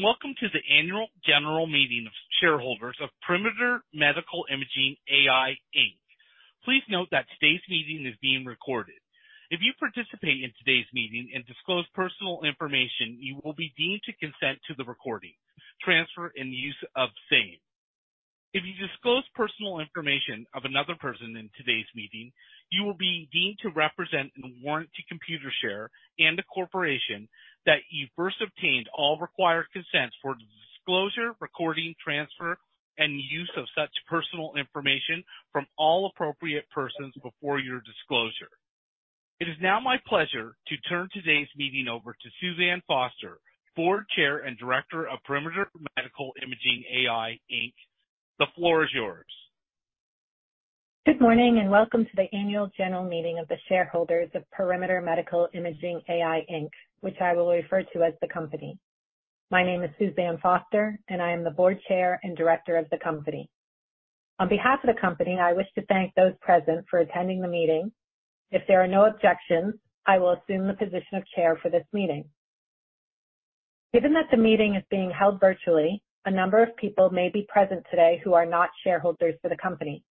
Hello, welcome to the Annual General Meeting of Shareholders of Perimeter Medical Imaging AI, Inc. Please note that today's meeting is being recorded. If you participate in today's meeting and disclose personal information, you will be deemed to consent to the recording, transfer, and use of same. If you disclose personal information of another person in today's meeting, you will be deemed to represent and warrant to Computershare and the corporation that you first obtained all required consents for the disclosure, recording, transfer, and use of such personal information from all appropriate persons before your disclosure. It is now my pleasure to turn today's meeting over to Suzanne Foster, Board Chair and Director of Perimeter Medical Imaging AI, Inc. The floor is yours. Good morning, welcome to the annual general meeting of the shareholders of Perimeter Medical Imaging AI, Inc., which I will refer to as the company. My name is Suzanne Foster, and I am the Board Chair and Director of the company. On behalf of the company, I wish to thank those present for attending the meeting. If there are no objections, I will assume the position of Chair for this meeting. Given that the meeting is being held virtually, a number of people may be present today who are not shareholders for the company.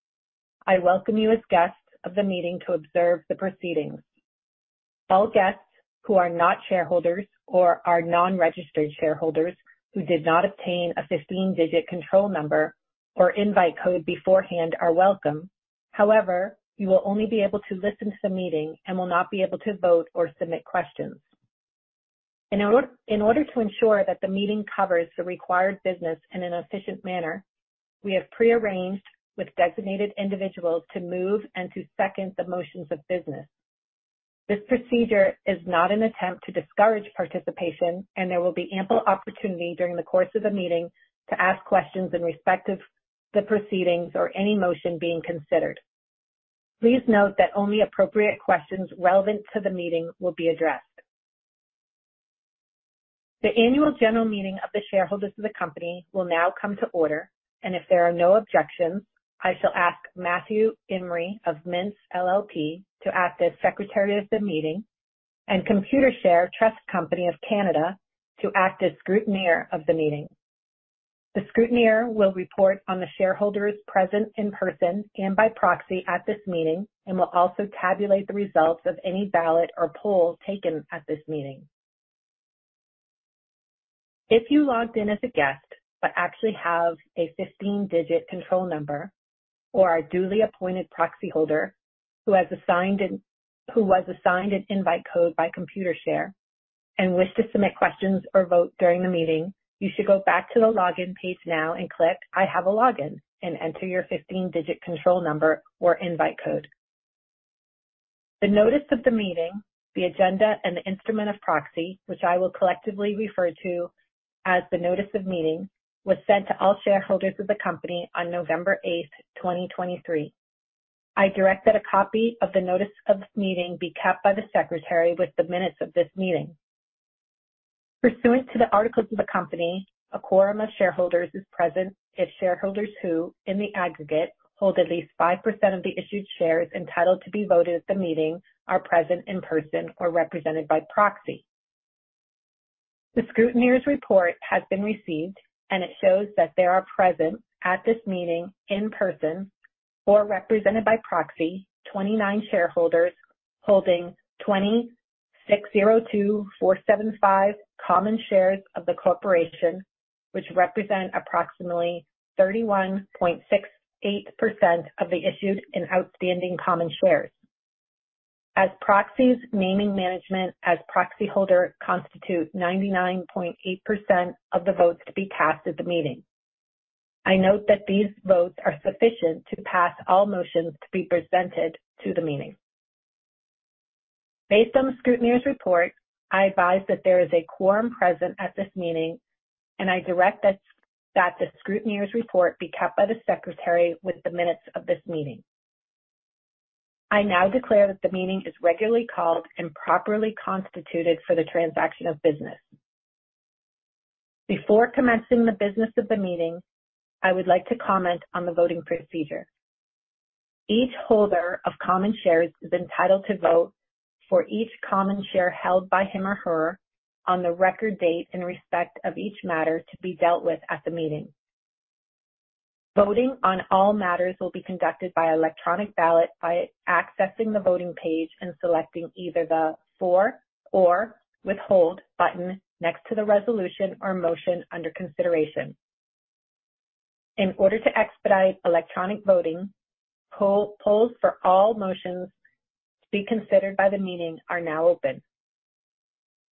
I welcome you as guests of the meeting to observe the proceedings. All guests who are not shareholders or are non-registered shareholders who did not obtain a 15-digit control number or invite code beforehand are welcome. However, you will only be able to listen to the meeting and will not be able to vote or submit questions. In order to ensure that the meeting covers the required business in an efficient manner, we have pre-arranged with designated individuals to move and to second the motions of business. This procedure is not an attempt to discourage participation, and there will be ample opportunity during the course of the meeting to ask questions in respect of the proceedings or any motion being considered. Please note that only appropriate questions relevant to the meeting will be addressed. The annual general meeting of the shareholders of the company will now come to order. If there are no objections, I shall ask Matthew Imrie of Mintz LLP to act as secretary of the meeting and Computershare Trust Company of Canada to act as scrutineer of the meeting. The scrutineer will report on the shareholders present in person and by proxy at this meeting and will also tabulate the results of any ballot or poll taken at this meeting. If you logged in as a guest, but actually have a 15-digit control number or are a duly appointed proxy holder who was assigned an invite code by Computershare and wish to submit questions or vote during the meeting, you should go back to the login page now and click "I have a login" and enter your 15-digit control number or invite code. The notice of the meeting, the agenda, and the instrument of proxy, which I will collectively refer to as the notice of meeting, was sent to all shareholders of the company on November 8th, 2023. I direct that a copy of the notice of this meeting be kept by the secretary with the minutes of this meeting. Pursuant to the articles of the company, a quorum of shareholders is present if shareholders who, in the aggregate, hold at least 5% of the issued shares entitled to be voted at the meeting are present in person or represented by proxy. The scrutineer's report has been received, and it shows that there are present at this meeting in person or represented by proxy 29 shareholders holding 2,602,475 common shares of the corporation, which represent approximately 31.68% of the issued and outstanding common shares. As proxies naming management as proxy holder constitute 99.8% of the votes to be cast at the meeting. I note that these votes are sufficient to pass all motions to be presented to the meeting. Based on the scrutineer's report, I advise that there is a quorum present at this meeting, and I direct that the scrutineer's report be kept by the secretary with the minutes of this meeting. I now declare that the meeting is regularly called and properly constituted for the transaction of business. Before commencing the business of the meeting, I would like to comment on the voting procedure. Each holder of common shares is entitled to vote for each common share held by him or her on the record date in respect of each matter to be dealt with at the meeting. Voting on all matters will be conducted by electronic ballot by accessing the voting page and selecting either the For or Withhold button next to the resolution or motion under consideration. In order to expedite electronic voting, polls for all motions to be considered by the meeting are now open.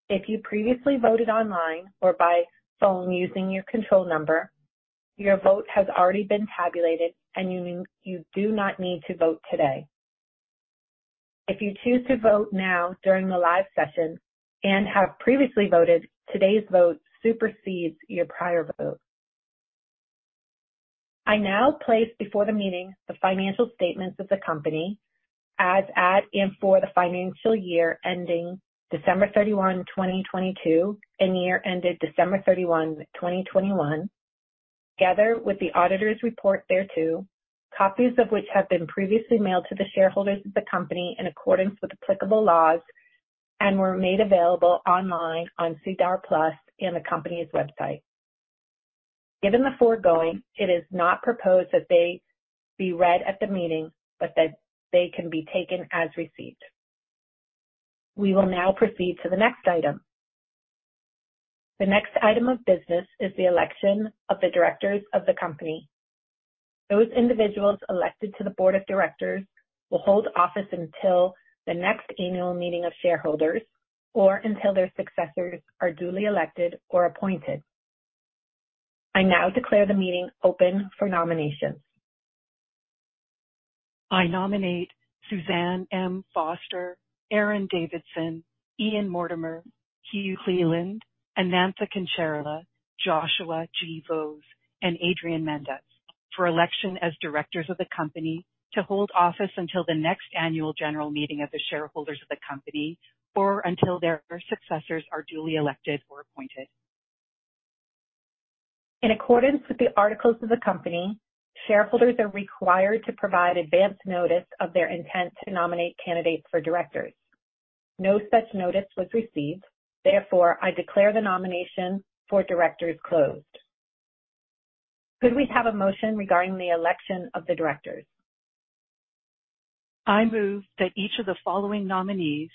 If you previously voted online or by phone using your control number, your vote has already been tabulated, and you do not need to vote today. If you choose to vote now during the live session and have previously voted, today's vote supersedes your prior vote. I now place before the meeting the financial statements of the company as at and for the financial year ending December 31, 2022, and year ended December 31, 2021. Together with the auditor's report thereto, copies of which have been previously mailed to the shareholders of the company in accordance with applicable laws and were made available online on SEDAR+ in the company's website. Given the foregoing, it is not proposed that they be read at the meeting, but that they can be taken as received. We will now proceed to the next item. The next item of business is the election of the directors of the company. Those individuals elected to the board of directors will hold office until the next annual meeting of shareholders or until their successors are duly elected or appointed. I now declare the meeting open for nominations. I nominate Suzanne M. Foster, Aaron Davidson, Ian Mortimer, Hugh Cleland, Anantha Kancherla, Joshua G. Vose, and Adrian Mendes for election as directors of the company to hold office until the next annual general meeting of the shareholders of the company or until their successors are duly elected or appointed. In accordance with the articles of the company, shareholders are required to provide advance notice of their intent to nominate candidates for directors. No such notice was received. Therefore, I declare the nomination for directors closed. Could we have a motion regarding the election of the directors? I move that each of the following nominees,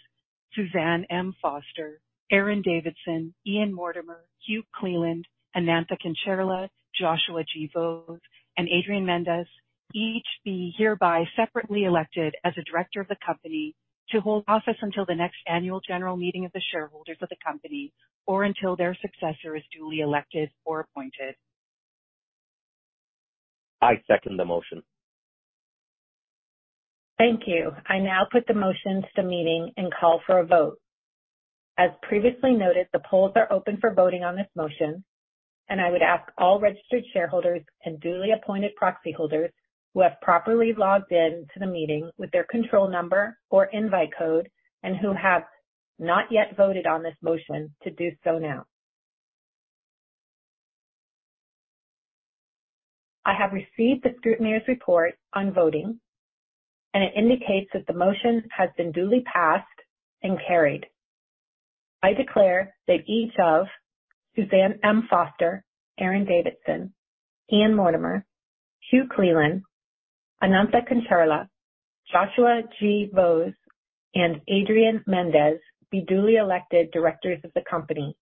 Suzanne M. Foster, Aaron Davidson, Ian Mortimer, Hugh Cleland, Anantha Kancherla, Joshua G. Vose, and Adrian Mendes, each be hereby separately elected as a director of the company to hold office until the next annual general meeting of the shareholders of the company or until their successor is duly elected or appointed. I second the motion. Thank you. I now put the motion to the meeting and call for a vote. As previously noted, the polls are open for voting on this motion, I would ask all registered shareholders and duly appointed proxy holders who have properly logged into the meeting with their control number or invite code and who have not yet voted on this motion to do so now. I have received the scrutineer's report on voting, it indicates that the motion has been duly passed and carried. I declare that each of Suzanne M. Foster, Aaron Davidson, Ian Mortimer, Hugh Cleland, Anantha Kancherla, Joshua G. Vose, and Adrian Mendes be duly elected directors of the company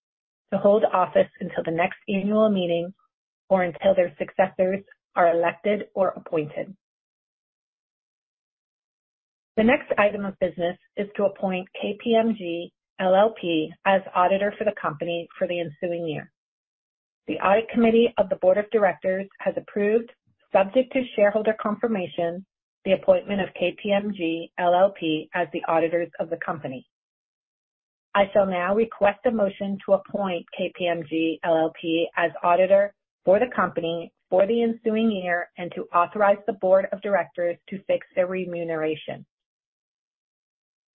to hold office until the next annual meeting or until their successors are elected or appointed. The next item of business is to appoint KPMG LLP as auditor for the company for the ensuing year. The audit committee of the board of directors has approved, subject to shareholder confirmation, the appointment of KPMG LLP as the auditors of the company. I shall now request a motion to appoint KPMG LLP as auditor for the company for the ensuing year and to authorize the board of directors to fix their remuneration.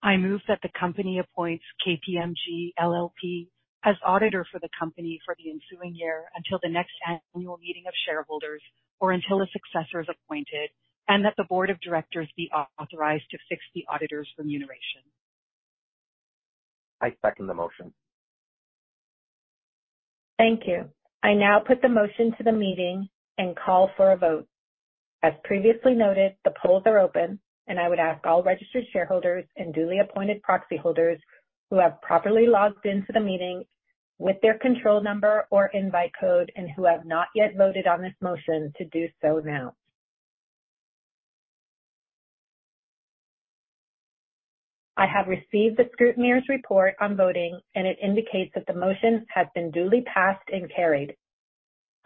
I move that the company appoints KPMG LLP as auditor for the company for the ensuing year until the next annual meeting of shareholders or until a successor is appointed and that the board of directors be authorized to fix the auditor's remuneration. I second the motion. Thank you. I now put the motion to the meeting and call for a vote. As previously noted, the polls are open, and I would ask all registered shareholders and duly appointed proxy holders who have properly logged into the meeting with their control number or invite code and who have not yet voted on this motion to do so now. I have received the scrutineer's report on voting, and it indicates that the motion has been duly passed and carried.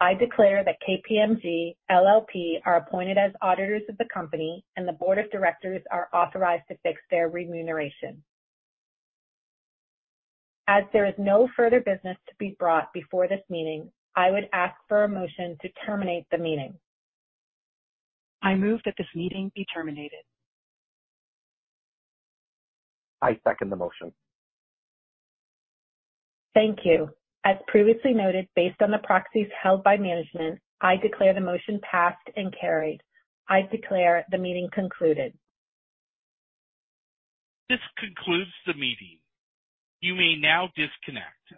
I declare that KPMG LLP are appointed as auditors of the company, and the board of directors are authorized to fix their remuneration. As there is no further business to be brought before this meeting, I would ask for a motion to terminate the meeting. I move that this meeting be terminated. I second the motion. Thank you. As previously noted, based on the proxies held by management, I declare the motion passed and carried. I declare the meeting concluded. This concludes the meeting. You may now disconnect.